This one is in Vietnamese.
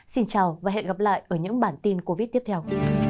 xin chào và hẹn gặp lại ở những bản tin covid tiếp theo